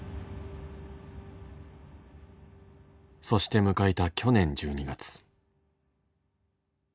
そして迎えた去年１２月。